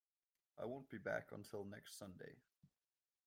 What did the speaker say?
I won't be back until next Sunday.